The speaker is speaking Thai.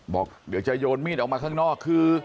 บอกเดี๋ยวจะโยนมีดออกมาข้างนอกคือ